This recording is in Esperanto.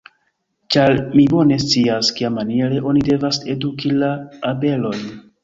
Ĉar mi bone scias, kiamaniere oni devas eduki la abelojn.